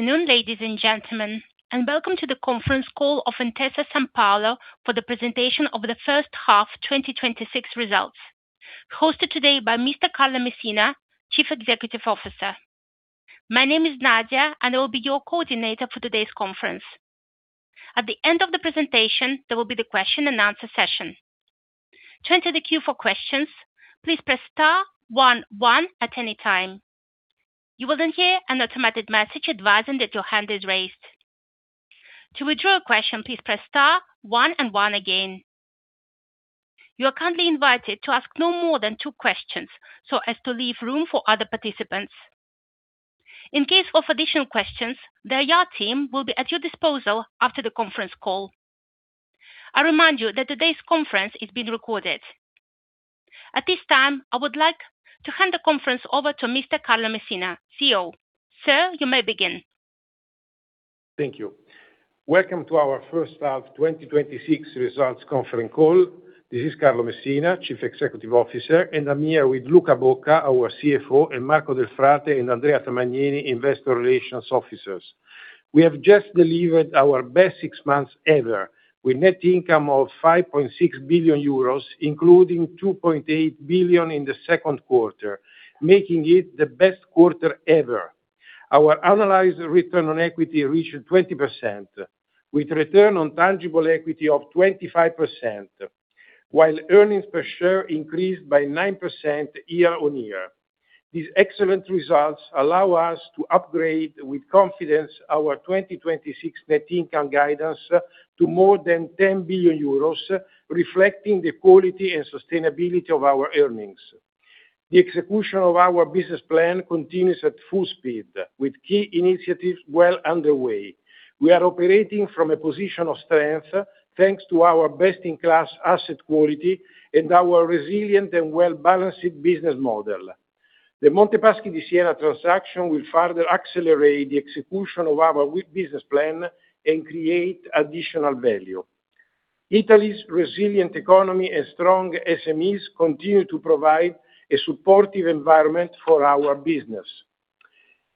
Afternoon, ladies and gentlemen, welcome to the conference call of Intesa Sanpaolo for the presentation of the first half 2026 results, hosted today by Mr. Carlo Messina, Chief Executive Officer. My name is Nadia, I will be your coordinator for today's conference. At the end of the presentation, there will be the question-and-answer session. To enter the queue for questions, please press star one one at any time. You will then hear an automatic message advising that your hand is raised. To withdraw a question, please press star one and one again. You are kindly invited to ask no more than two questions as to leave room for other participants. In case of additional questions, the IR team will be at your disposal after the conference call. I remind you that today's conference is being recorded. At this time, I would like to hand the conference over to Mr. Carlo Messina, CEO. Sir, you may begin. Thank you. Welcome to our first half 2026 results conference call. This is Carlo Messina, Chief Executive Officer, I'm here with Luca Bocca, our CFO, and Marco Delfrate and Andrea Tamagnini, Investor Relations officers. We have just delivered our best six months ever. With net income of 5.6 billion euros, including 2.8 billion in the second quarter, making it the best quarter ever. Our analyzed return on equity reached 20%, with return on tangible equity of 25%, while earnings per share increased by 9% year-on-year. These excellent results allow us to upgrade with confidence our 2026 net income guidance to more than 10 billion euros, reflecting the quality and sustainability of our earnings. The execution of our business plan continues at full speed, with key initiatives well underway. We are operating from a position of strength, thanks to our best-in-class asset quality and our resilient and well-balanced business model. The Monte Paschi di Siena transaction will further accelerate the execution of our business plan and create additional value. Italy's resilient economy and strong SMEs continue to provide a supportive environment for our business.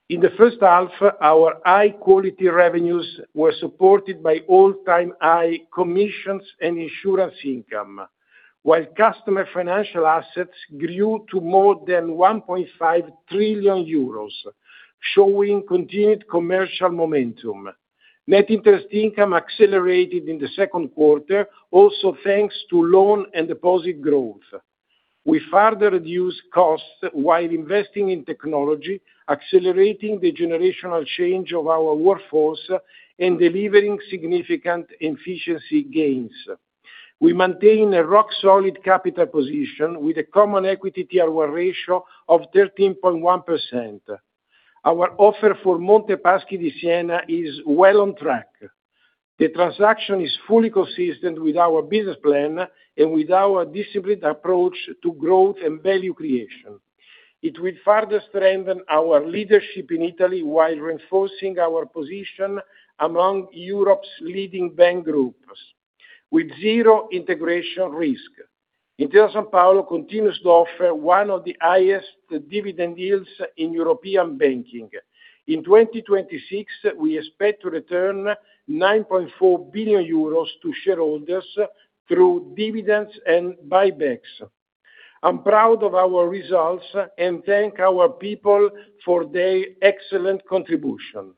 In the first half, our high-quality revenues were supported by all-time high commissions and insurance income. While customer financial assets grew to more than 1.5 trillion euros, showing continued commercial momentum. Net interest income accelerated in the second quarter, also thanks to loan and deposit growth. We further reduced costs while investing in technology, accelerating the generational change of our workforce, and delivering significant efficiency gains. We maintain a rock-solid capital position with a common equity tier one ratio of 13.1%. Our offer for Monte Paschi di Siena is well on track. The transaction is fully consistent with our business plan and with our disciplined approach to growth and value creation. It will further strengthen our leadership in Italy while reinforcing our position among Europe's leading bank groups, with zero integration risk. Intesa Sanpaolo continues to offer one of the highest dividend yields in European banking. In 2026, we expect to return 9.4 billion euros to shareholders through dividends and buybacks. I'm proud of our results and thank our people for their excellent contribution.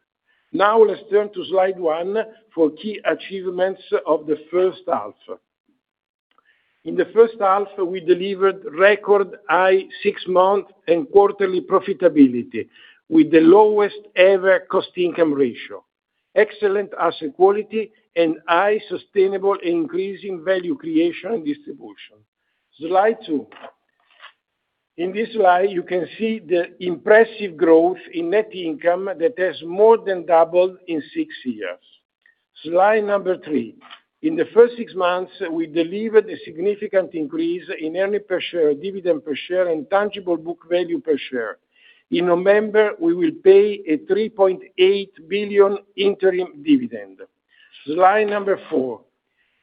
Now let's turn to slide one for key achievements of the first half. In the first half, we delivered record high six-month and quarterly profitability with the lowest ever cost-income ratio, excellent asset quality, and high sustainable increasing value creation and distribution. Slide two. In this slide, you can see the impressive growth in net income that has more than doubled in six years. Slide number three. In the first six months, we delivered a significant increase in earnings per share, dividend per share, and tangible book value per share. In November, we will pay a 3.8 billion interim dividend. Slide number four.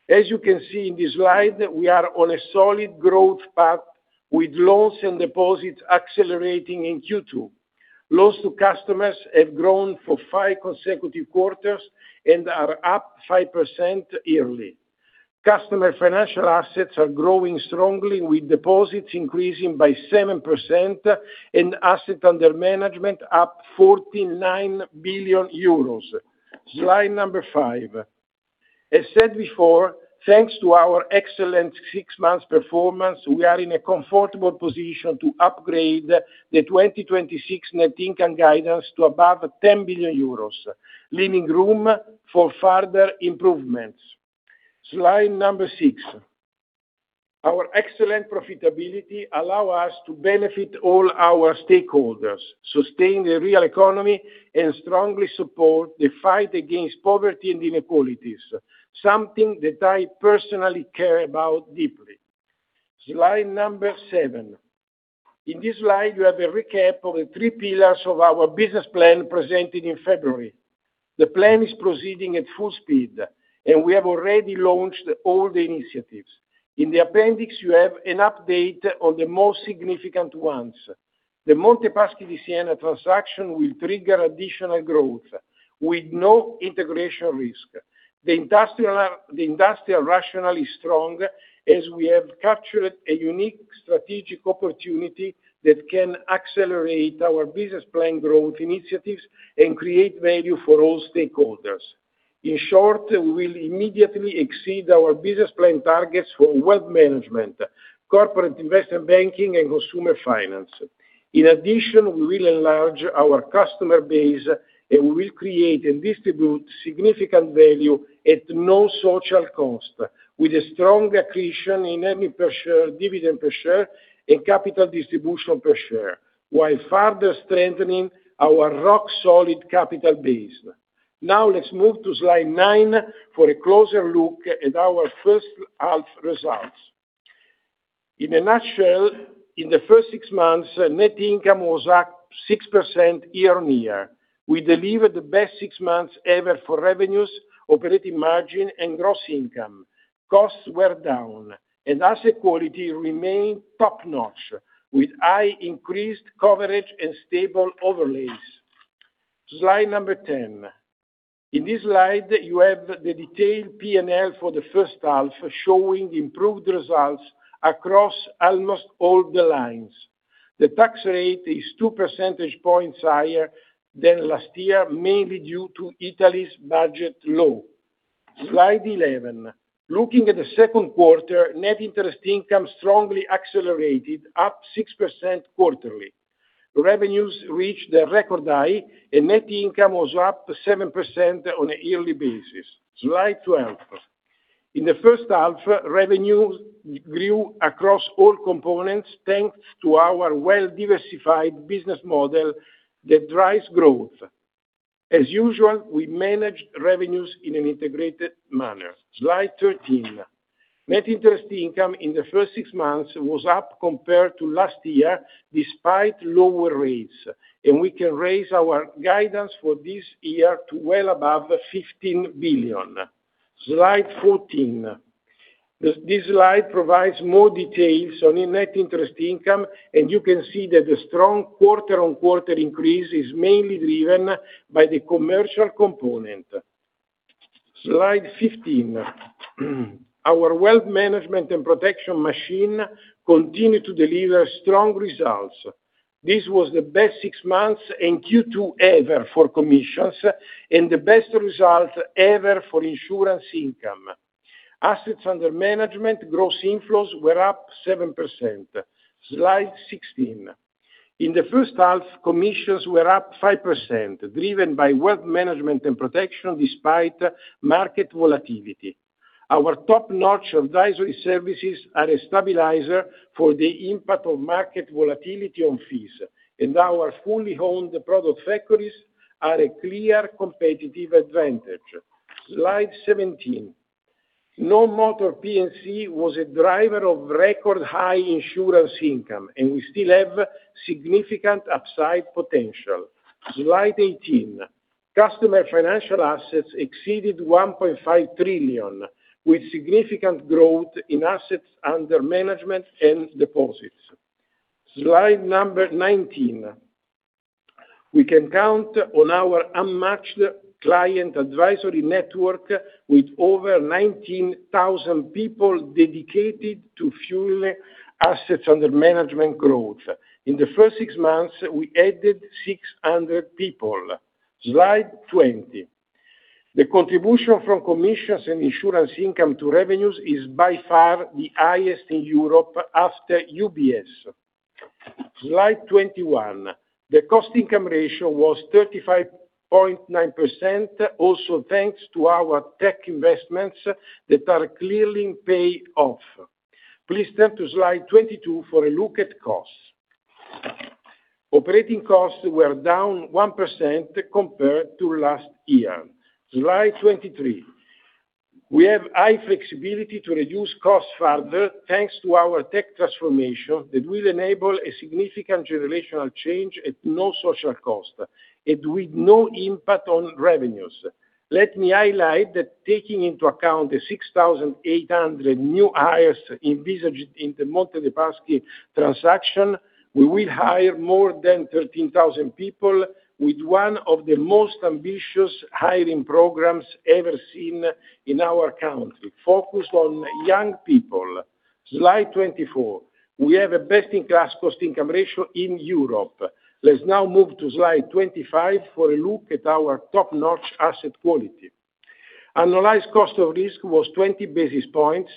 As you can see in this slide, we are on a solid growth path with loans and deposits accelerating in Q2. Loans to customers have grown for five consecutive quarters and are up 5% yearly. Customer financial assets are growing strongly, with deposits increasing by 7% and assets under management up 49 billion euros. Slide number five. As said before, thanks to our excellent six-months performance, we are in a comfortable position to upgrade the 2026 net income guidance to above 10 billion euros, leaving room for further improvements. Slide number six. Our excellent profitability allow us to benefit all our stakeholders, sustain the real economy, and strongly support the fight against poverty and inequalities, something that I personally care about deeply. Slide number seven. In this slide, you have a recap of the three pillars of our business plan presented in February. The plan is proceeding at full speed, we have already launched all the initiatives. In the appendix, you have an update on the most significant ones. The Monte dei Paschi di Siena transaction will trigger additional growth with no integration risk. The industrial rationale is strong, as we have captured a unique strategic opportunity that can accelerate our business plan growth initiatives and create value for all stakeholders. In short, we will immediately exceed our business plan targets for wealth management, Corporate & Investment Banking, and consumer finance. We will enlarge our customer base, and we will create and distribute significant value at no social cost, with a strong accretion in earnings per share, dividend per share, and capital distribution per share, while further strengthening our rock-solid capital base. Now let's move to slide nine for a closer look at our first half results. In a nutshell, in the first six-months, net income was up 6% year-on-year. We delivered the best six-months ever for revenues, operating margin, and gross income. Costs were down, and asset quality remained top-notch, with high increased coverage and stable overlays. Slide number 10. In this slide, you have the detailed P&L for the first half, showing improved results across almost all the lines. The tax rate is 2 percentage points higher than last year, mainly due to Italy Budget Law. Slide 11. Looking at the second quarter, net interest income strongly accelerated, up 6% quarterly. Revenues reached a record high, and net income was up 7% on a yearly basis. Slide 12. In the first half, revenues grew across all components, thanks to our well-diversified business model that drives growth. As usual, we managed revenues in an integrated manner. Slide 13. Net interest income in the first six months was up compared to last year, despite lower rates, and we can raise our guidance for this year to well above 15 billion. Slide 14. This slide provides more details on the net interest income, and you can see that the strong quarter-on-quarter increase is mainly driven by the commercial component. Slide 15. Our wealth management and protection machine continued to deliver strong results. This was the best six months and Q2 ever for commissions, and the best result ever for insurance income. Assets under management gross inflows were up 7%. Slide 16. In the first half, commissions were up 5%, driven by wealth management and protection despite market volatility. Our top-notch advisory services are a stabilizer for the impact of market volatility on fees, and our fully owned product factories are a clear competitive advantage. Slide 17. Non-Motor P&C was a driver of record high insurance income, and we still have significant upside potential. Slide 18. Customer financial assets exceeded 1.5 trillion, with significant growth in assets under management and deposits. Slide 19. We can count on our unmatched client advisory network with over 19,000 people dedicated to fuel assets under management growth. In the first six months, we added 600 people. Slide 20. The contribution from commissions and insurance income to revenues is by far the highest in Europe after UBS. Slide 21. The cost-income ratio was 35.9%, also thanks to our tech investments that are clearly paying off. Please turn to slide 22 for a look at costs. Operating costs were down 1% compared to last year. Slide 23. We have high flexibility to reduce costs further, thanks to our tech transformation that will enable a significant generational change at no social cost and with no impact on revenues. Let me highlight that taking into account the 6,800 new hires envisaged in the Monte dei Paschi transaction, we will hire more than 13,000 people with one of the most ambitious hiring programs ever seen in our country, focused on young people. Slide 24. We have a best-in-class cost-income ratio in Europe. Let's now move to slide 25 for a look at our top-notch asset quality. Annualized cost of risk was 20 basis points,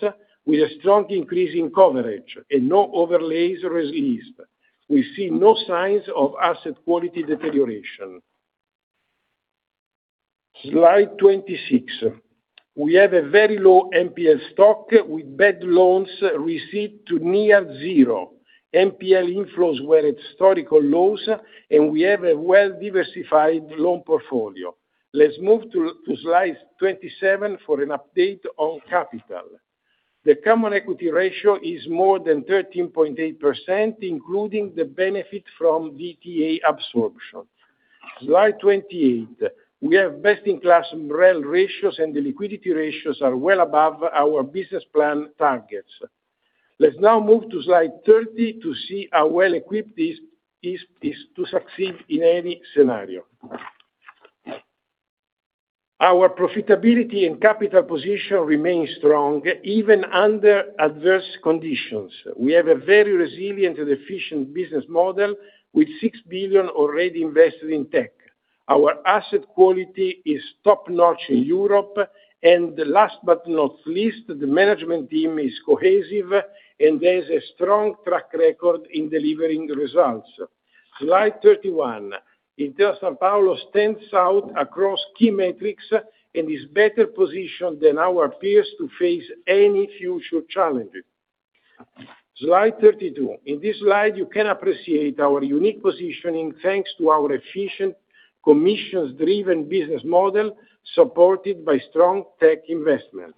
with a strong increase in coverage and no overlays released. We see no signs of asset quality deterioration. Slide 26. We have a very low NPL stock with bad loans recede to near zero. NPL inflows were at historical lows, and we have a well-diversified loan portfolio. Let's move to slide 27 for an update on capital. The common equity ratio is more than 13.8%, including the benefit from DTA absorption. Slide 28. We have best-in-class MREL ratios, and the liquidity ratios are well above our business plan targets. Let's now move to slide 30 to see how well-equipped this is to succeed in any scenario. Our profitability and capital position remain strong, even under adverse conditions. We have a very resilient and efficient business model, with 6 billion already invested in tech. Our asset quality is top-notch in Europe. Last but not least, the management team is cohesive and has a strong track record in delivering results. Slide 31. Intesa Sanpaolo stands out across key metrics and is better positioned than our peers to face any future challenges. Slide 32. In this slide, you can appreciate our unique positioning, thanks to our efficient commissions-driven business model, supported by strong tech investment.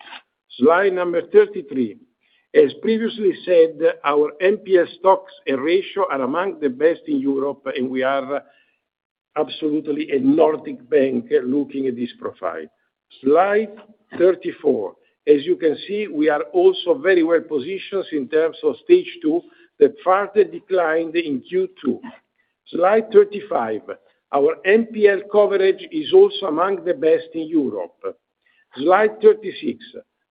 Slide number 33. As previously said, our NPL stocks and ratio are among the best in Europe, and we are absolutely a Nordic bank looking at this profile. Slide 34. As you can see, we are also very well-positioned in terms of Stage 2, that further declined in Q2. Slide 35. Our NPL coverage is also among the best in Europe. Slide 36.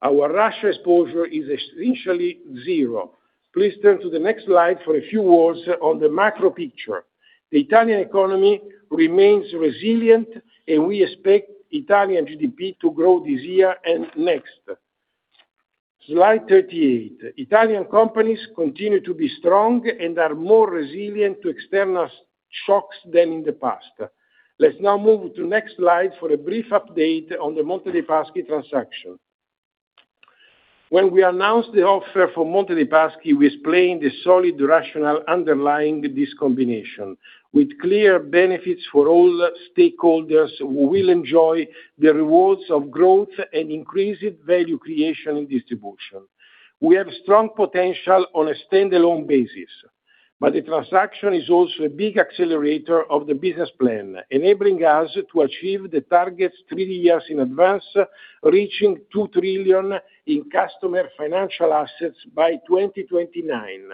Our Russia exposure is essentially zero. Please turn to the next slide for a few words on the macro picture. The Italian economy remains resilient, and we expect Italian GDP to grow this year and next. Slide 38. Italian companies continue to be strong and are more resilient to external shocks than in the past. Let's now move to next slide for a brief update on the Monte dei Paschi transaction. When we announced the offer for Monte dei Paschi, we explained the solid rationale underlying this combination, with clear benefits for all stakeholders who will enjoy the rewards of growth and increased value creation and distribution. We have strong potential on a standalone basis, but the transaction is also a big accelerator of the business plan, enabling us to achieve the targets three years in advance, reaching 2 trillion in customer financial assets by 2029.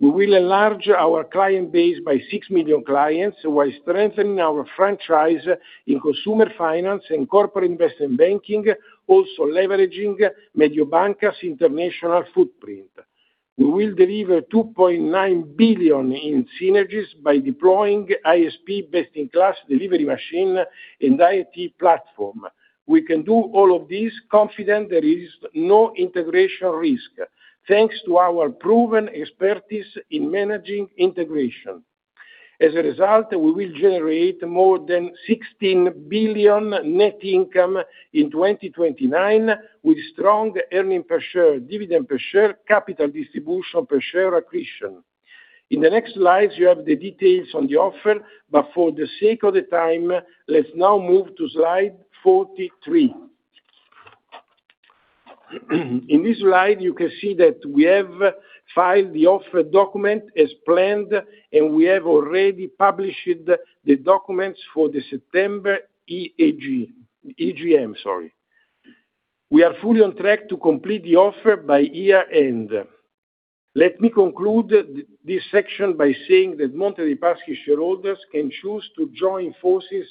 We will enlarge our client base by six million clients while strengthening our franchise in consumer finance and corporate investment banking, also leveraging Mediobanca's international footprint. We will deliver 2.9 billion in synergies by deploying ISP best-in-class delivery machine and IT platform. We can do all of this confident there is no integration risk, thanks to our proven expertise in managing integration. As a result, we will generate more than 16 billion net income in 2029, with strong earning per share, dividend per share, capital distribution per share accretion. In the next slides, you have the details on the offer, for the sake of the time, let's now move to slide 43. In this slide, you can see that we have filed the offer document as planned, and we have already published the documents for the September EGM, sorry. We are fully on track to complete the offer by year-end. Let me conclude this section by saying that Monte dei Paschi shareholders can choose to join forces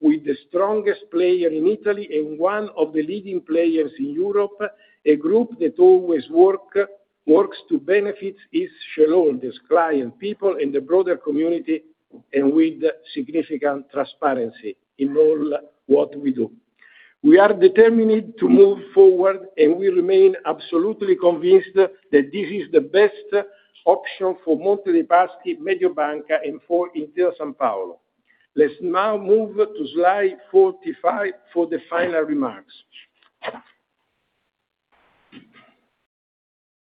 with the strongest player in Italy and one of the leading players in Europe, a group that always works to benefit its shareholders, clients, people, and the broader community, and with significant transparency in all what we do. We are determined to move forward, and we remain absolutely convinced that this is the best option for Monte dei Paschi, Mediobanca, and for Intesa Sanpaolo. Let's now move to slide 45 for the final remarks.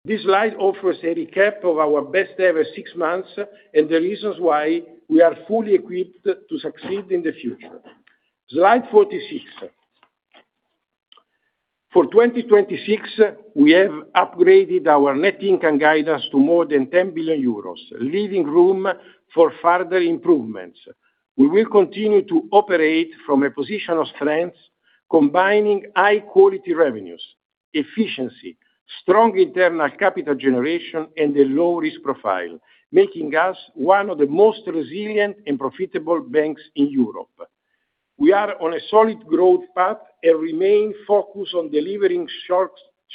This slide offers a recap of our best-ever six months and the reasons why we are fully equipped to succeed in the future. Slide 46. For 2026, we have upgraded our net income guidance to more than 10 billion euros, leaving room for further improvements. We will continue to operate from a position of strength, combining high-quality revenues, efficiency, strong internal capital generation, and a low-risk profile, making us one of the most resilient and profitable banks in Europe. We are on a solid growth path and remain focused on delivering strong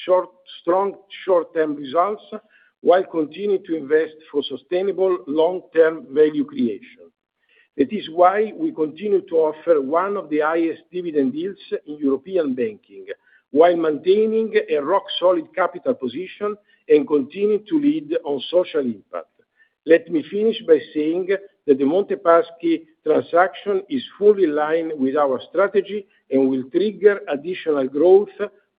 short-term results while continuing to invest for sustainable long-term value creation. That is why we continue to offer one of the highest dividend yields in European banking while maintaining a rock-solid capital position and continuing to lead on social impact. Let me finish by saying that the Monte dei Paschi transaction is fully in line with our strategy and will trigger additional growth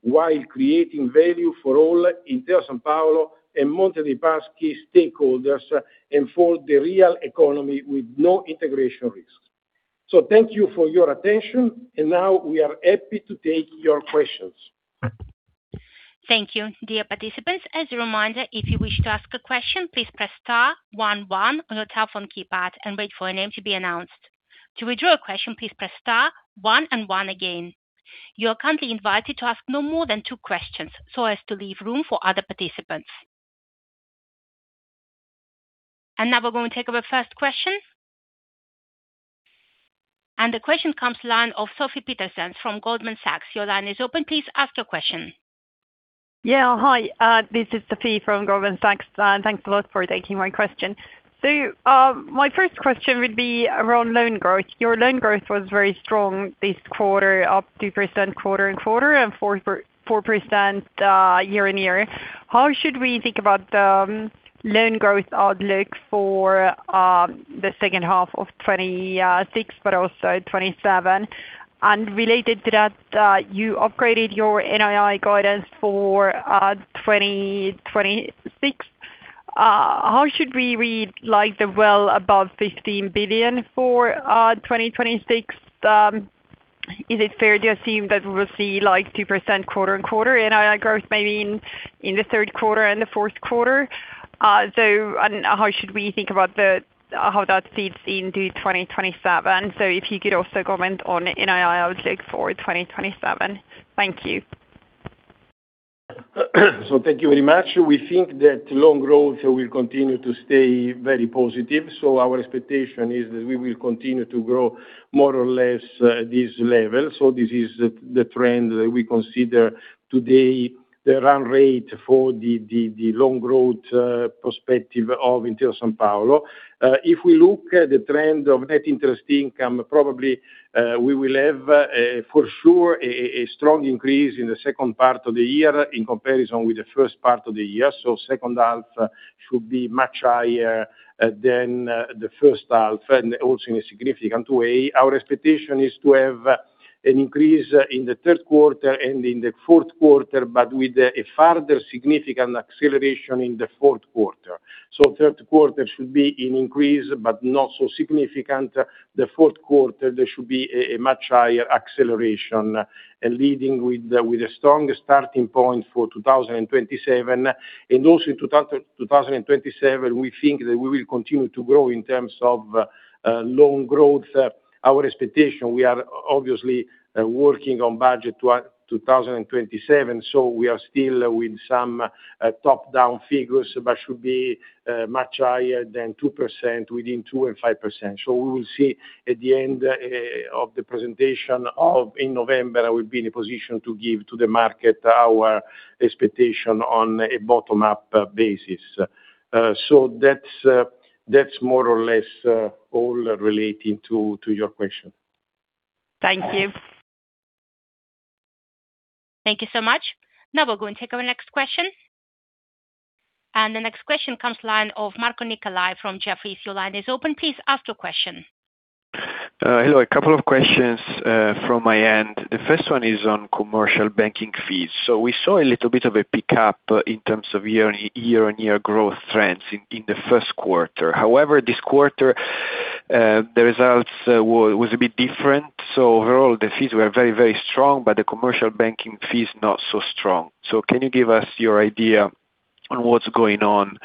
while creating value for all Intesa Sanpaolo and Monte dei Paschi stakeholders and for the real economy with no integration risk. Thank you for your attention, and now we are happy to take your questions. Thank you. Dear participants, as a reminder, if you wish to ask a question, please press star one one on your telephone keypad and wait for your name to be announced. To withdraw a question, please press star one and one again. You are kindly invited to ask no more than two questions so as to leave room for other participants. And now we are going to take our first question. The question comes line of Sofie Peterzens from Goldman Sachs. Your line is open. Please ask your question. Hi, this is Sofie from Goldman Sachs. Thanks a lot for taking my question. My first question would be around loan growth. Your loan growth was very strong this quarter, up 2% quarter-on-quarter and 4% year-on-year. How should we think about the loan growth outlook for the second half of 2026, but also 2027? Related to that, you upgraded your NII guidance for 2026. How should we read the well above 15 billion for 2026? Is it fair to assume that we will see 2% quarter-on-quarter NII growth maybe in the third quarter and the fourth quarter? How should we think about how that feeds into 2027? If you could also comment on NII outlook for 2027. Thank you. Thank you very much. We think that loan growth will continue to stay very positive. Our expectation is that we will continue to grow more or less at this level. This is the trend that we consider today, the run rate for the loan growth perspective of Intesa Sanpaolo. If we look at the trend of net interest income, probably we will have, for sure, a strong increase in the second part of the year in comparison with the first part of the year. Second half should be much higher than the first half, and also in a significant way. Our expectation is to have an increase in the third quarter and in the fourth quarter, but with a further significant acceleration in the fourth quarter. Third quarter should be an increase, but not so significant. The fourth quarter, there should be a much higher acceleration, leading with a strong starting point for 2027. Also in 2027, we think that we will continue to grow in terms of loan growth. Our expectation, we are obviously working on budget to our 2027, we are still with some top-down figures, but should be much higher than 2%, within 2% and 5%. We will see at the end of the presentation in November, we will be in a position to give to the market our expectation on a bottom-up basis. That's more or less all relating to your question. Thank you. Thank you so much. Now we're going to take our next question. The next question comes line of Marco Nicolai from Jefferies. Your line is open. Please ask your question. Hello. A couple of questions from my end. The first one is on commercial banking fees. We saw a little bit of a pickup in terms of year-on-year growth trends in the first quarter. However, this quarter, the results was a bit different. Overall, the fees were very strong, but the commercial banking fees not so strong. Can you give us your idea on what's going on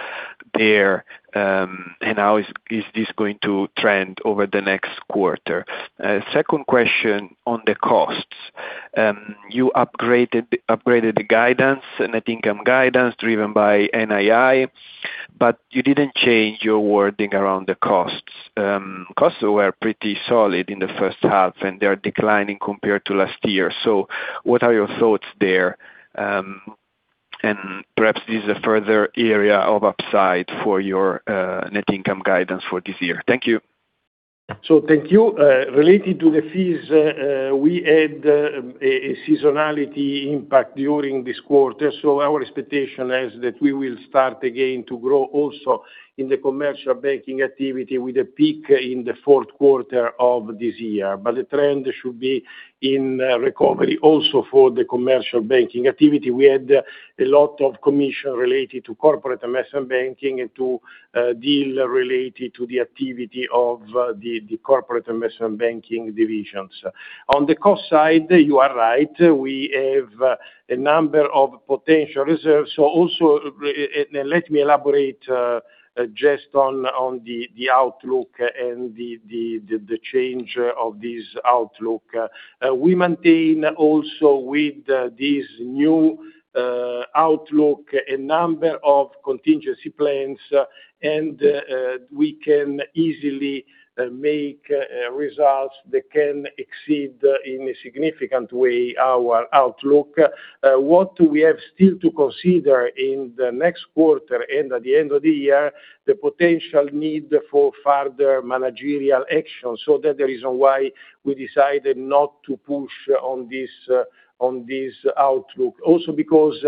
there, and how is this going to trend over the next quarter? Second question on the costs. You upgraded the guidance, net income guidance driven by NII, but you didn't change your wording around the costs. Costs were pretty solid in the first half, and they are declining compared to last year. What are your thoughts there? Perhaps this is a further area of upside for your net income guidance for this year. Thank you. Thank you. Related to the fees, we had a seasonality impact during this quarter. Our expectation is that we will start again to grow also in the commercial banking activity with a peak in the fourth quarter of this year. The trend should be in recovery also for the commercial banking activity. We had a lot of commission related to Corporate Investment Banking and to deal related to the activity of the Corporate Investment Banking divisions. On the cost side, you are right. We have a number of potential reserves. Also, let me elaborate just on the outlook and the change of this outlook. We maintain also with this new outlook, a number of contingency plans, and we can easily make results that can exceed, in a significant way, our outlook. What we have still to consider in the next quarter, and at the end of the year, the potential need for further managerial action. That the reason why we decided not to push on this outlook. Also because,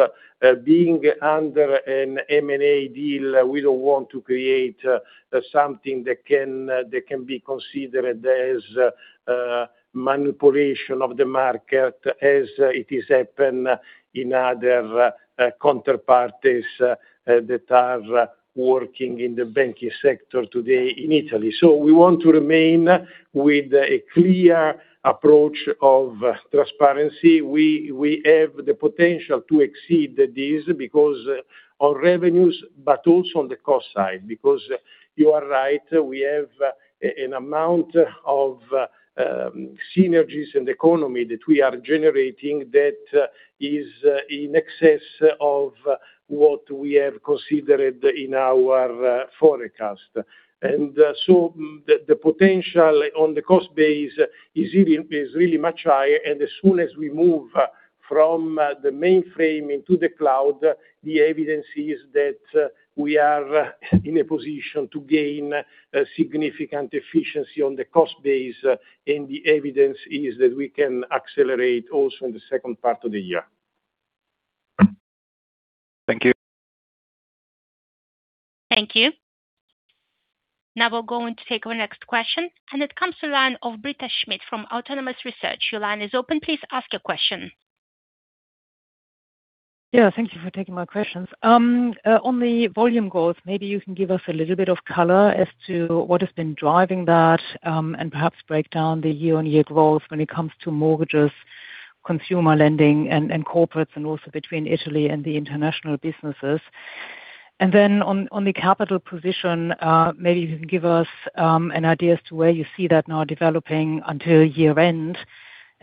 being under an M&A deal, we don't want to create something that can be considered as manipulation of the market, as it is happen in other counterparties that are working in the banking sector today in Italy. We want to remain with a clear approach of transparency. We have the potential to exceed this because of revenues, but also on the cost side, because you are right, we have an amount of synergies and economy that we are generating that is in excess of what we have considered in our forecast. The potential on the cost base is really much higher. As soon as we move from the mainframe into the cloud, the evidence is that we are in a position to gain a significant efficiency on the cost base, and the evidence is that we can accelerate also in the second part of the year. Thank you. Thank you. Now we're going to take our next question, and it comes to line of Britta Schmidt from Autonomous Research. Your line is open. Please ask your question. Yeah, thank you for taking my questions. On the volume growth, maybe you can give us a little bit of color as to what has been driving that, and perhaps break down the year-on-year growth when it comes to mortgages, consumer lending, and corporates, and also between Italy and the international businesses. On the capital position, maybe you can give us an idea as to where you see that now developing until year-end.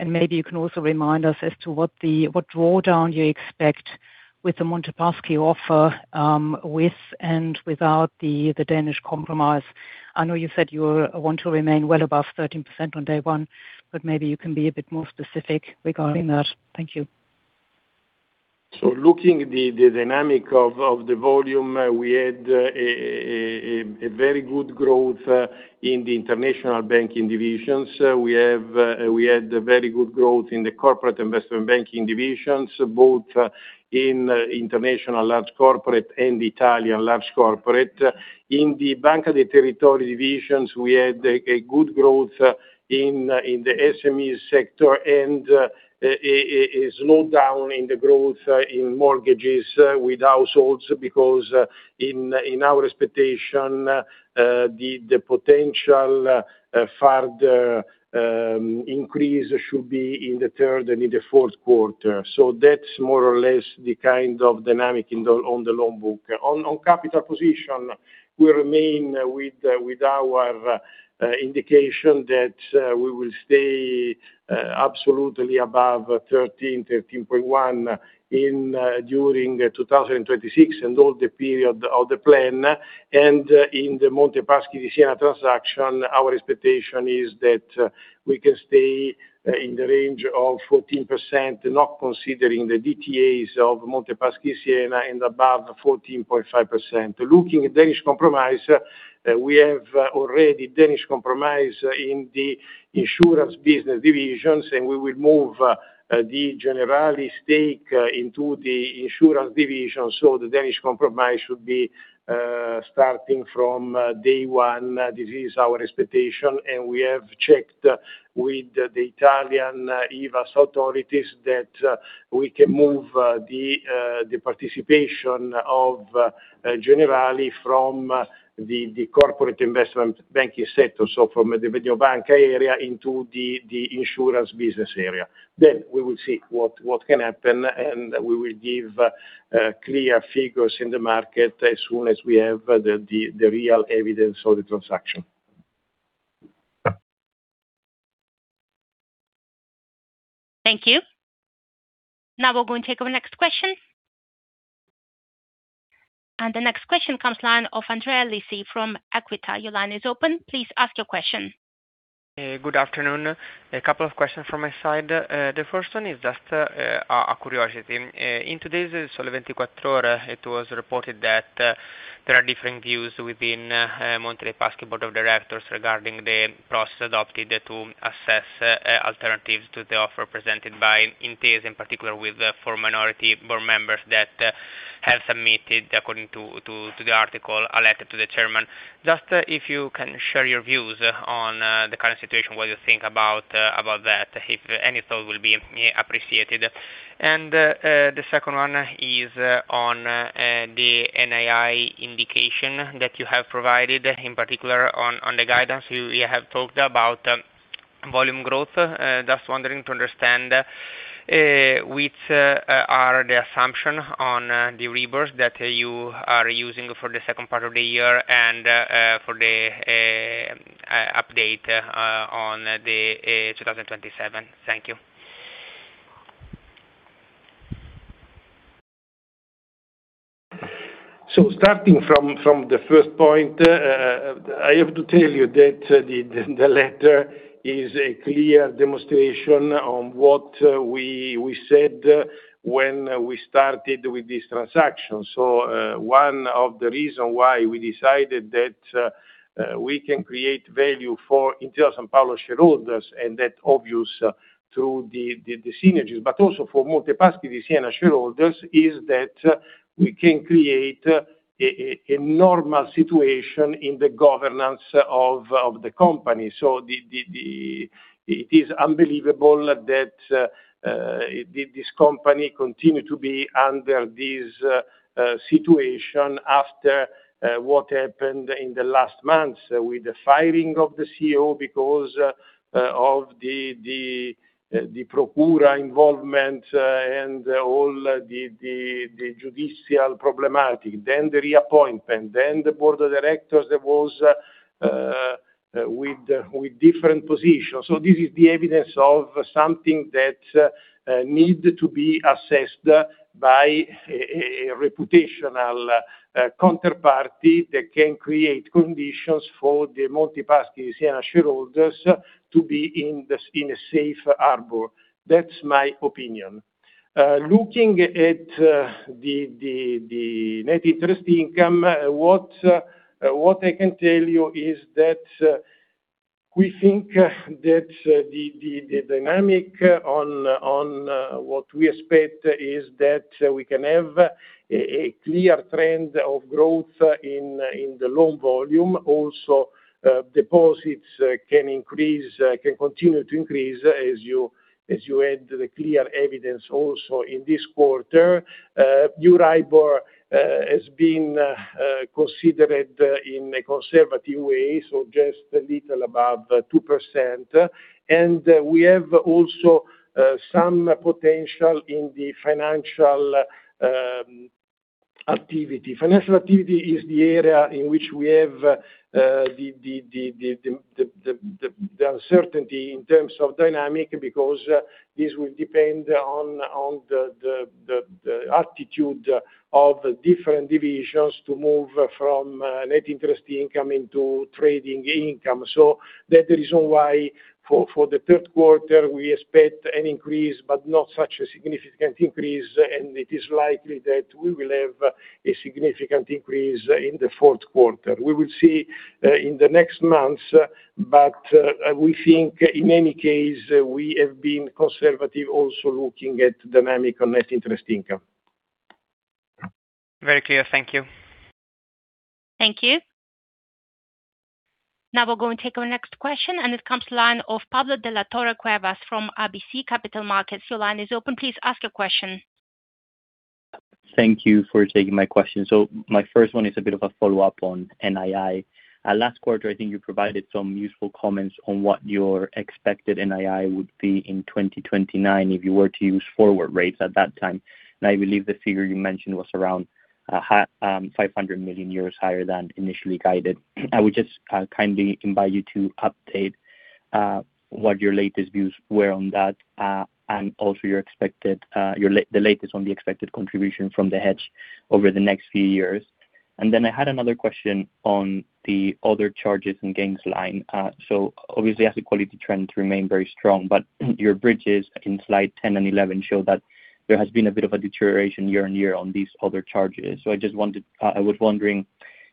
Maybe you can also remind us as to what drawdown you expect with the Monte Paschi offer, with and without the Danish Compromise. I know you said you want to remain well above 13% on day one, but maybe you can be a bit more specific regarding that. Thank you. Looking the dynamic of the volume, we had a very good growth in the international banking divisions. We had a very good growth in the corporate investment banking divisions, both in international large corporate and Italian large corporate. In the Banca dei Territori divisions, we had a good growth in the SME sector and a slowdown in the growth in mortgages with households, because in our expectation, the potential further increase should be in the third and in the fourth quarter. That's more or less the kind of dynamic on the loan book. On capital position, we remain with our indication that we will stay absolutely above 13%, 13.1% during 2026 and all the period of the plan. In the Monte Paschi Siena transaction, our expectation is that we can stay in the range of 14%, not considering the DTAs of Monte Paschi Siena and above 14.5%. Looking at Danish Compromise, we have already Danish Compromise in the insurance business divisions, and we will move the Generali stake into the insurance division. The Danish Compromise should be starting from day one. This is our expectation, and we have checked with the Italian IVASS authorities that we can move the participation of Generali from the corporate investment banking sector. From the Mediobanca area into the insurance business area. We will see what can happen, and we will give clear figures in the market as soon as we have the real evidence of the transaction. Thank you. Now we'll go and take our next question. The next question comes line of Andrea Lisi from Equita. Your line is open. Please ask your question. Good afternoon. A couple of questions from my side. The first one is just a curiosity. In today's Il Sole 24 Ore, it was reported that there are different views within Monte dei Paschi board of directors regarding the process adopted to assess alternatives to the offer presented by Intesa, in particular with the four minority board members that have submitted, according to the article, a letter to the chairman. Just if you can share your views on the current situation, what you think about that. Any thought will be appreciated. The second one is on the NII indication that you have provided, in particular on the guidance. You have talked about volume growth. Just wondering to understand, which are the assumption on the Euribor that you are using for the second part of the year and for the update on the 2027? Thank you. Starting from the first point, I have to tell you that the letter is a clear demonstration on what we said when we started with this transaction. One of the reason why we decided that we can create value for Intesa Sanpaolo shareholders, and that obvious through the synergies, but also for Monte dei Paschi di Siena shareholders, is that we can create a normal situation in the governance of the company. It is unbelievable that this company continue to be under this situation after what happened in the last month with the firing of the CEO because of the procura involvement and all the judicial problematic. Then the reappointment, then the board of directors that was with different positions. This is the evidence of something that need to be assessed by a reputational counterparty that can create conditions for the Monte dei Paschi di Siena shareholders to be in a safe harbor. That's my opinion. Looking at the net interest income, what I can tell you is that we think that the dynamic on what we expect is that we can have a clear trend of growth in the loan volume. Also, deposits can continue to increase as you had the clear evidence also in this quarter. Euribor has been considered in a conservative way, so just a little above 2%. We have also some potential in the financial activity. Financial activity is the area in which we have the uncertainty in terms of dynamic, because this will depend on the attitude of the different divisions to move from net interest income into trading income. That the reason why for the third quarter we expect an increase, but not such a significant increase, and it is likely that we will have a significant increase in the fourth quarter. We will see in the next months, but we think, in any case, we have been conservative also looking at dynamic on net interest income. Very clear. Thank you. Thank you. We'll go and take our next question, it comes line of Pablo de la Torre Cuevas from RBC Capital Markets. Your line is open. Please ask your question. Thank you for taking my question. My first one is a bit of a follow-up on NII. Last quarter, I think you provided some useful comments on what your expected NII would be in 2029 if you were to use forward rates at that time. I believe the figure you mentioned was around 500 million euros higher than initially guided. I would just kindly invite you to update what your latest views were on that, and also the latest on the expected contribution from the hedge over the next few years. Then I had another question on the other charges and gains line. Obviously, asset quality trend remain very strong, but your bridges in slide 10 and 11 show that there has been a bit of a deterioration year-on-year on these other charges. I was wondering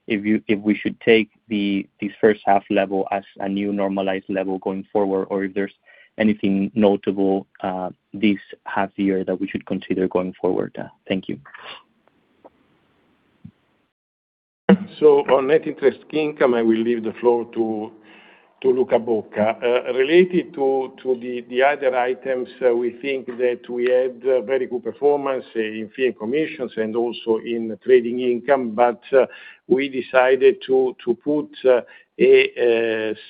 if we should take this first half level as a new normalized level going forward, or if there is anything notable this half year that we should consider going forward. Thank you. On net interest income, I will leave the floor to Luca Bocca. Related to the other items, we think that we had very good performance in fee and commissions and also in trading income, but we decided to put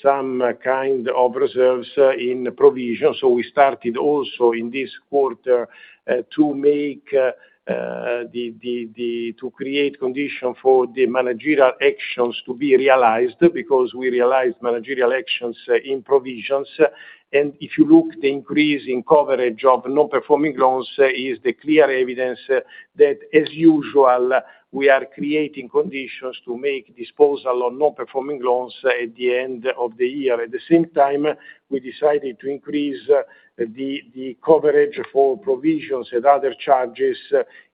some kind of reserves in provision. We started also in this quarter to create condition for the managerial actions to be realized, because we realized managerial actions in provisions. If you look, the increase in coverage of non-performing loans is the clear evidence that, as usual, we are creating conditions to make disposal on non-performing loans at the end of the year. At the same time, we decided to increase the coverage for provisions and other charges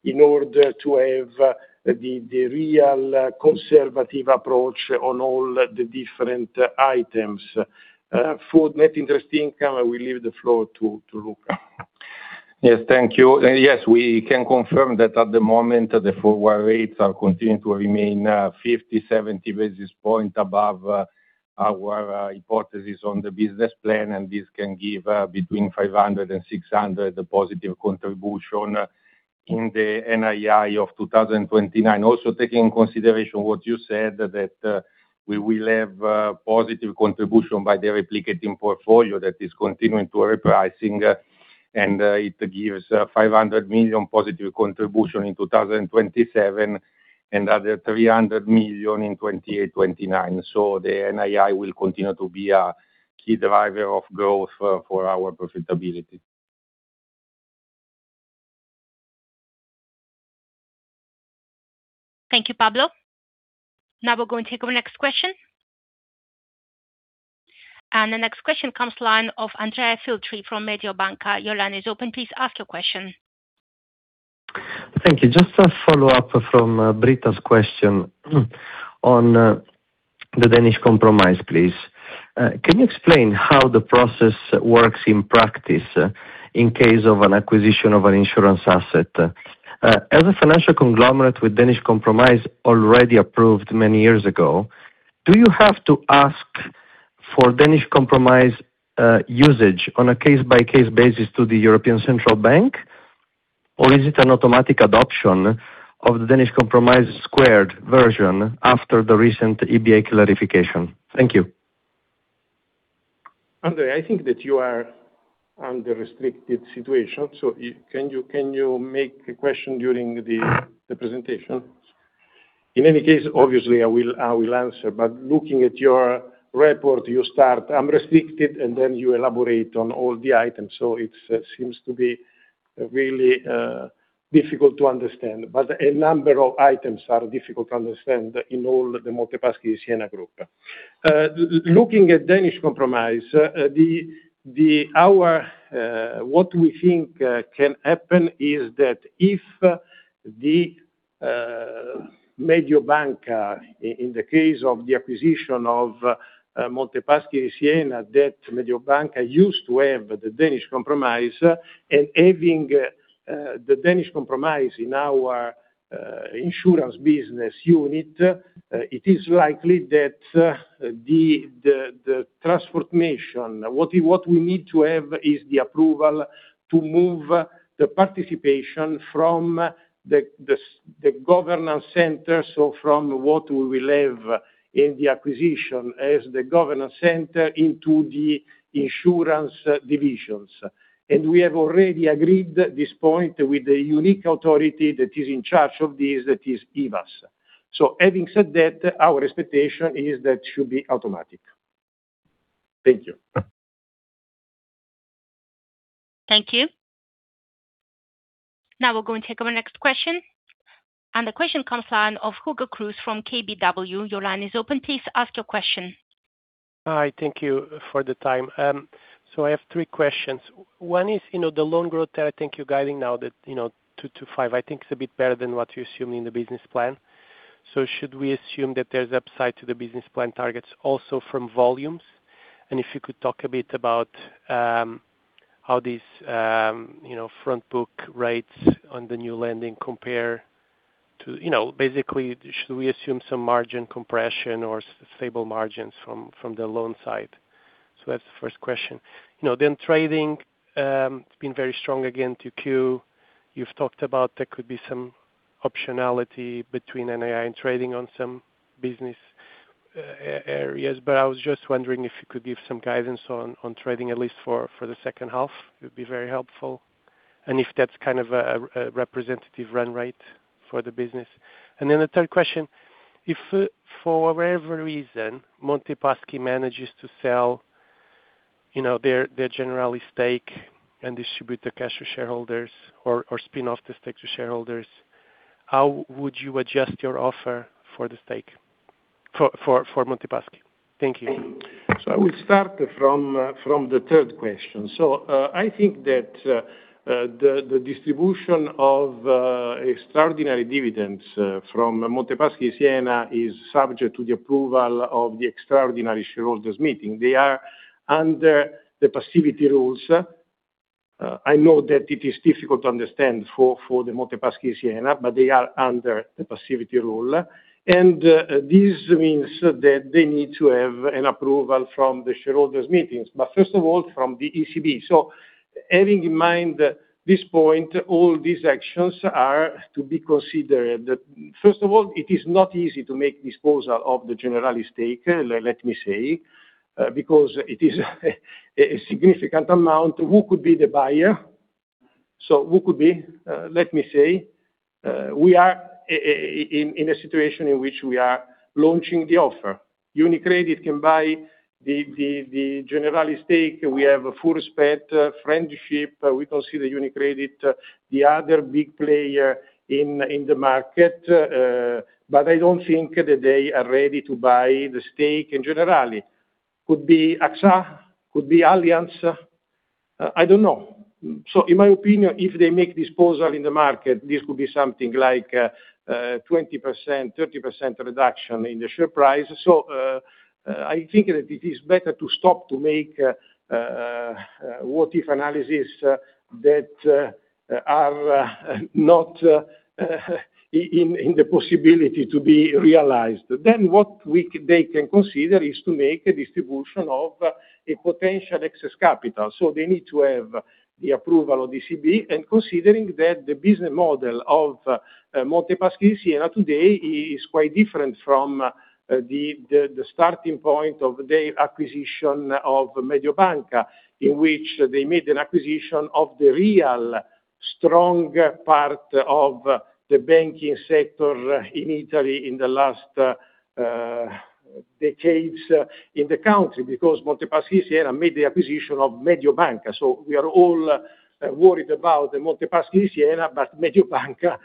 in order to have the real conservative approach on all the different items. For net interest income, I will leave the floor to Luca. Yes. Thank you. Yes, we can confirm that at the moment, the forward rates are continuing to remain 50, 70 basis points above our hypothesis on the business plan, and this can give between 500 and 600 positive contribution in the NII of 2029. Also, taking consideration what you said, that we will have positive contribution by the replicating portfolio that is continuing to repricing, and it gives 500 million positive contribution in 2027 and other 300 million in 2028, 2029. The NII will continue to be a key driver of growth for our profitability. Thank you, Pablo. Now we are going to take our next question. The next question comes line of Andrea Filtri from Mediobanca. Your line is open. Please ask your question. Thank you. Just a follow-up from Britta's question on the Danish Compromise, please. Can you explain how the process works in practice in case of an acquisition of an insurance asset? As a financial conglomerate with Danish Compromise already approved many years ago, do you have to ask for Danish Compromise usage on a case-by-case basis to the European Central Bank, or is it an automatic adoption of the Danish Compromise squared version after the recent EBA clarification? Thank you. Andrea, I think that you are under restricted situation, can you make a question during the presentation? In any case, obviously, I will answer. Looking at your report, you start unrestricted, you elaborate on all the items. It seems to be really difficult to understand. A number of items are difficult to understand in all the Monte Paschi Siena group. Looking at Danish Compromise, what we think can happen is that if Mediobanca, in the case of the acquisition of Monte Paschi Siena, that Mediobanca used to have the Danish Compromise, and having the Danish Compromise in our insurance business unit, it is likely that the transformation, what we need to have is the approval to move the participation from the governance center, from what we will have in the acquisition as the governance center into the insurance divisions. We have already agreed this point with the unique authority that is in charge of this, that is IVASS. Having said that, our expectation is that should be automatic. Thank you. Thank you. Now we're going to take our next question, the question comes line of Hugo Cruz from KBW. Your line is open. Please ask your question. Hi, thank you for the time. I have three questions. One is the loan growth that I think you're guiding now that 2%-5%, I think is a bit better than what you assume in the business plan. Should we assume that there's upside to the business plan targets also from volumes? And if you could talk a bit about how these front book rates on the new lending compare to Should we assume some margin compression or stable margins from the loan side? That's the first question. Trading, it's been very strong again, 2Q, you've talked about there could be some optionality between NII and trading on some business areas, I was just wondering if you could give some guidance on trading, at least for the second half, it would be very helpful. If that's kind of a representative run rate for the business. The third question, if for whatever reason, Monte Paschi manages to sell their Generali stake and distribute the cash to shareholders or spin off the stake to shareholders, how would you adjust your offer for Monte Paschi? Thank you. I will start from the third question. I think that the distribution of extraordinary dividends from Monte Paschi Siena is subject to the approval of the extraordinary shareholders meeting. They are under the passivity rule. I know that it is difficult to understand for the Monte Paschi Siena, they are under the passivity rule. This means that they need to have an approval from the shareholders meetings, but first of all, from the ECB. Having in mind this point, all these actions are to be considered. First of all, it is not easy to make disposal of the Generali stake, let me say, because it is a significant amount. Who could be the buyer? Who could be? Let me say, we are in a situation in which we are launching the offer. UniCredit can buy the Generali stake. We have full respect, friendship. We consider UniCredit the other big player in the market. I don't think that they are ready to buy the stake in Generali. Could be AXA, could be Allianz. I don't know. In my opinion, if they make disposal in the market, this could be something like a 20%-30% reduction in the share price. I think that it is better to stop to make what if analysis that are not in the possibility to be realized. What they can consider is to make a distribution of a potential excess capital. They need to have the approval of ECB, considering that the business model of Monte Paschi Siena today is quite different from the starting point of the acquisition of Mediobanca, in which they made an acquisition of the real strong part of the banking sector in Italy in the last decades in the country because Monte Paschi Siena made the acquisition of Mediobanca. We are all worried about the Monte Paschi Siena, but Mediobanca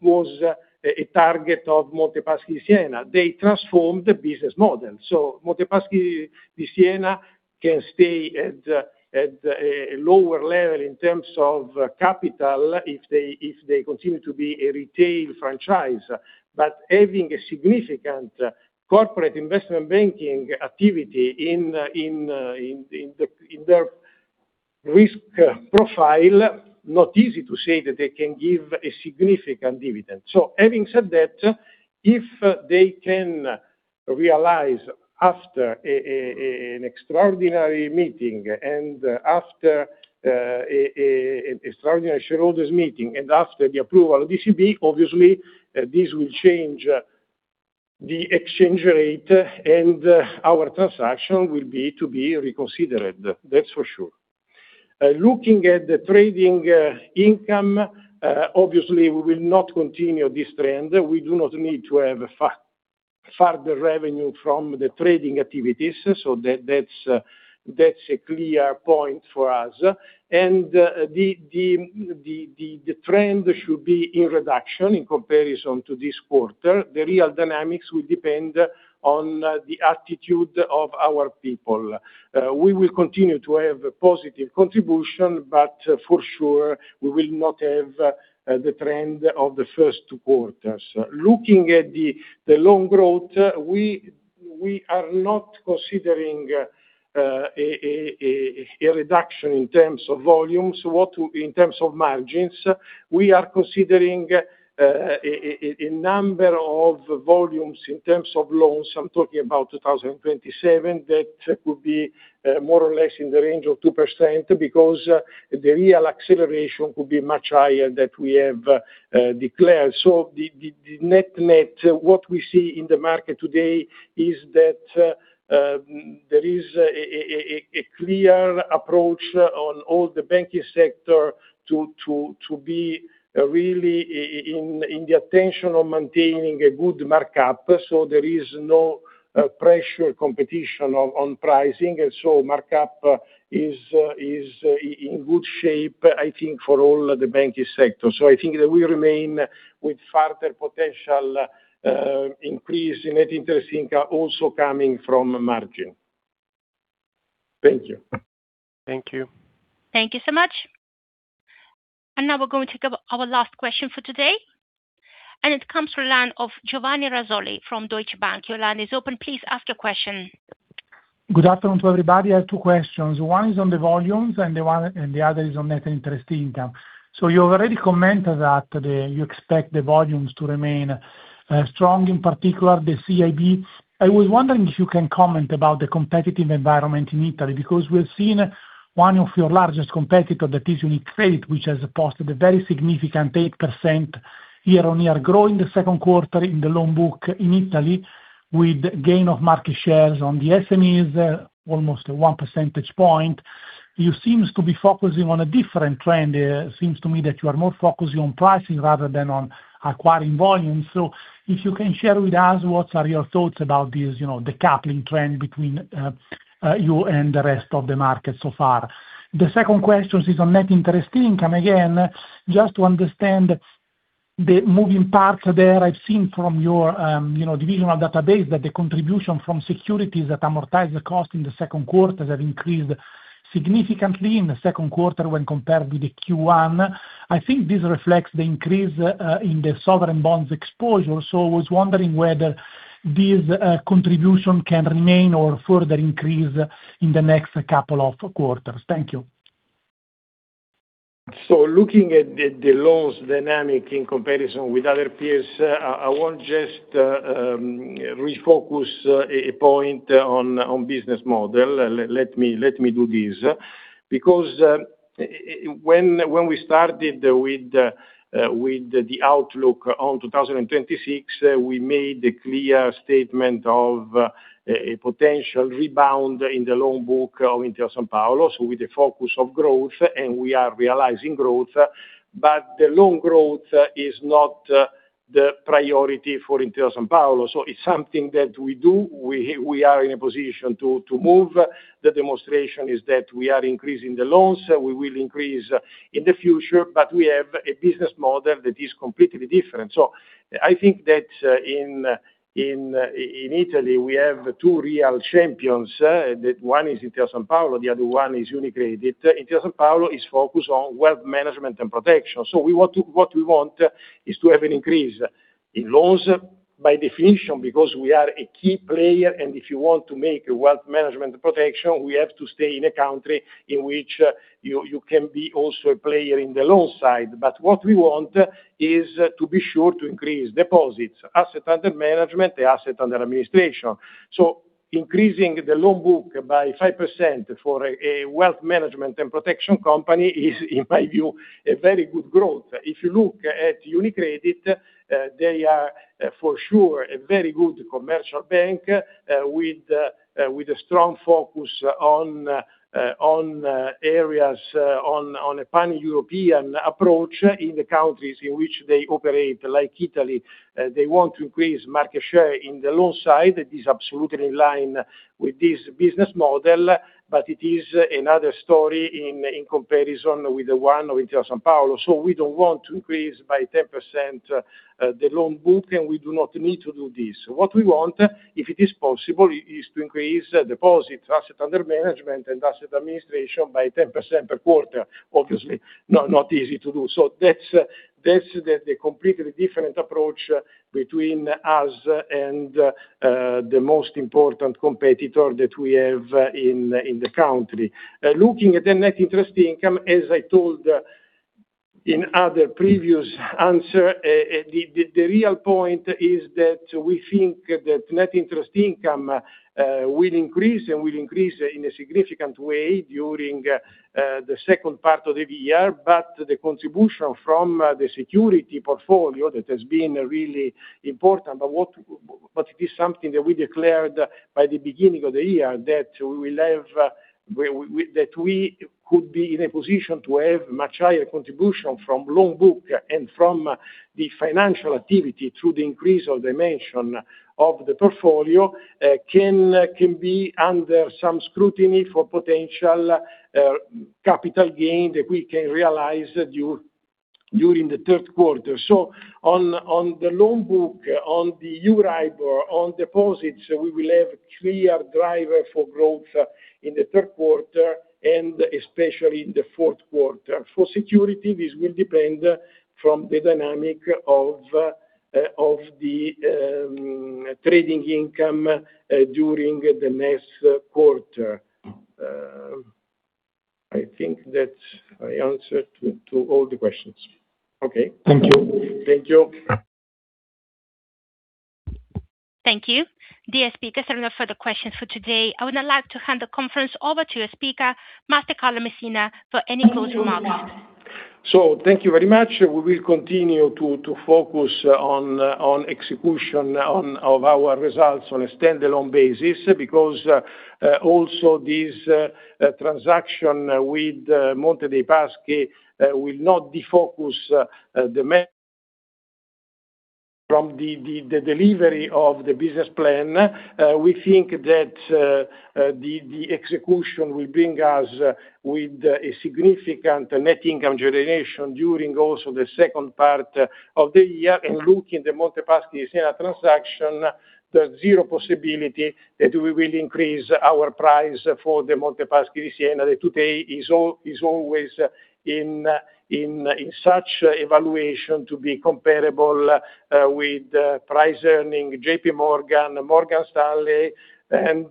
was a target of Monte Paschi Siena. They transformed the business model. Monte Paschi di Siena can stay at a lower level in terms of capital, if they continue to be a retail franchise. Having a significant corporate investment banking activity in their risk profile, not easy to say that they can give a significant dividend. Having said that, if they can realize after an extraordinary shareholders meeting, after the approval of ECB, obviously, this will change the exchange rate, and our transaction will be to be reconsidered. That's for sure. Looking at the trading income, obviously we will not continue this trend. We do not need to have further revenue from the trading activities. That's a clear point for us. The trend should be in reduction in comparison to this quarter. The real dynamics will depend on the attitude of our people. We will continue to have a positive contribution, but for sure, we will not have the trend of the first quarters. Looking at the loan growth, we are not considering a reduction in terms of margins. We are considering a number of volumes in terms of loans. I'm talking about 2027, that could be more or less in the range of 2%, because the real acceleration could be much higher than we have declared. The net what we see in the market today is that there is a clear approach on all the banking sector to be really in the attention on maintaining a good markup. There is no pressure competition on pricing. Markup is in good shape, I think for all the banking sectors. I think that we remain with further potential increase in net interest income also coming from margin. Thank you. Thank you. Thank you so much. Now we're going to take our last question for today, and it comes from the line of Giovanni Razzoli from Deutsche Bank. Your line is open. Please ask your question. Good afternoon to everybody. I have two questions. One is on the volumes, and the other is on net interest income. You already commented that you expect the volumes to remain strong, in particular the CIB. I was wondering if you can comment about the competitive environment in Italy, because we've seen one of your largest competitor, that is UniCredit, which has posted a very significant 8% year-on-year growth in the second quarter in the loan book in Italy, with gain of market shares on the SMEs, almost a 1 percentage point. You seems to be focusing on a different trend. It seems to me that you are more focusing on pricing rather than on acquiring volumes. If you can share with us what are your thoughts about this decoupling trend between you and the rest of the market so far. The second question is on net interest income. Again, just to understand the moving parts there. I've seen from your divisional database that the contribution from securities that amortize the cost in the second quarter have increased significantly in the second quarter when compared with the Q1. I think this reflects the increase in the sovereign bonds exposure. I was wondering whether this contribution can remain or further increase in the next couple of quarters. Thank you. Looking at the loans dynamic in comparison with other peers, I want just refocus a point on business model. Let me do this. When we started with the outlook on 2026, we made a clear statement of a potential rebound in the loan book of Intesa Sanpaolo, so with the focus of growth, and we are realizing growth. The loan growth is not the priority for Intesa Sanpaolo. It's something that we do. We are in a position to move. The demonstration is that we are increasing the loans. We will increase in the future. We have a business model that is completely different. I think that in Italy, we have two real champions. One is Intesa Sanpaolo, the other one is UniCredit. Intesa Sanpaolo is focused on wealth management and protection. What we want is to have an increase in loans. By definition, because we are a key player, and if you want to make wealth management protection, we have to stay in a country in which you can be also a player in the loan side. What we want is to be sure to increase deposits, asset under management, the asset under administration. Increasing the loan book by 5% for a wealth management and protection company is in my view, a very good growth. If you look at UniCredit, they are for sure, a very good commercial bank with a strong focus on areas on a pan-European approach in the countries in which they operate, like Italy. They want to increase market share in the loan side. It is absolutely in line with this business model, but it is another story in comparison with the one with Intesa Sanpaolo. We don't want to increase by 10% the loan book, and we do not need to do this. What we want, if it is possible, is to increase deposit asset under management and asset administration by 10% per quarter. Obviously, not easy to do. That's the completely different approach between us and the most important competitor that we have in the country. Looking at the net interest income, as I told in other previous answer, the real point is that we think that net interest income will increase, and will increase in a significant way during the second part of the year. The contribution from the security portfolio, that has been really important. It is something that we declared by the beginning of the year that we could be in a position to have much higher contribution from loan book and from the financial activity through the increase of dimension of the portfolio, can be under some scrutiny for potential capital gain that we can realize during the third quarter. On the loan book, on the Euribor, on deposits, we will have clear driver for growth in the third quarter and especially in the fourth quarter. For security, this will depend from the dynamic of the trading income during the next quarter. I think that I answered to all the questions. Okay. Thank you. Thank you. Thank you. Dear speakers, there are no further questions for today. I would now like to hand the conference over to your speaker, Mr. Carlo Messina, for any closing remarks. Thank you very much. We will continue to focus on execution of our results on a standalone basis, because also this transaction with Monte dei Paschi will not defocus From the delivery of the business plan. We think that the execution will bring us with a significant net income generation during also the second part of the year. Looking at the Monte dei Paschi di Siena transaction, there is zero possibility that we will increase our price for the Monte dei Paschi di Siena. That today is always in such evaluation to be comparable with price earning JPMorgan, Morgan Stanley, and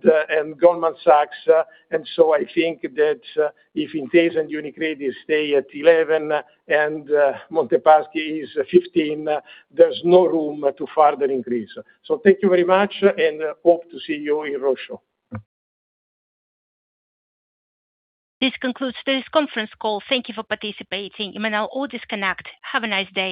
Goldman Sachs. I think that if Intesa and UniCredit stay at 11 and Monte dei Paschi is 15, there is no room to further increase. Thank you very much, and hope to see you in roadshow. This concludes today's conference call. Thank you for participating. You may now all disconnect. Have a nice day.